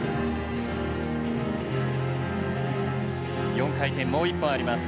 ４回転もう一本あります。